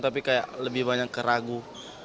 tapi kayak lebih banyak keragu